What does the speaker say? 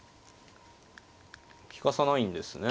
利かさないんですね。